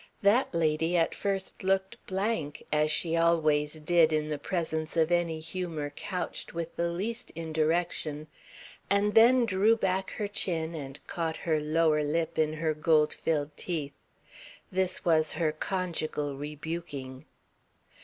That lady at first looked blank, as she always did in the presence of any humour couched with the least indirection, and then drew back her chin and caught her lower lip in her gold filled teeth. This was her conjugal rebuking.